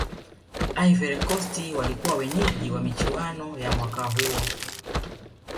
ivory coast walikuwa wenyeji wa michuano ya mwaka huo